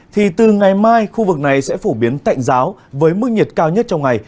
thì từ ngày mai khu vực này sẽ phổ biến tạnh giáo với mức nhiệt cao nhất trong ngày